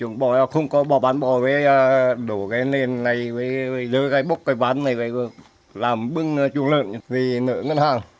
giờ cái bốc cái bán này làm bưng chuồng lợn về nợ ngân hàng